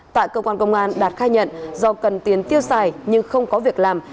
tại cơ quan công an đạt khai nhận do cần tiền tiêu xài nhưng không có việc làm